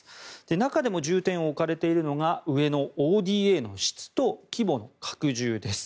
中でも重点が置かれているのが上のＯＤＡの質と規模の拡充です。